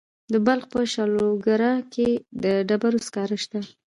د بلخ په شولګره کې د ډبرو سکاره شته.